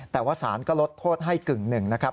แต่ว่าสารก็ลดโทษให้กึ่งหนึ่งนะครับ